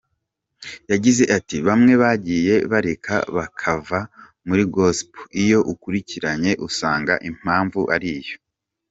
Yagize ati “Bamwe bagiye bareka bakava muri gosepel, iyo ukurikiranye usanga impamvu ari iyo”.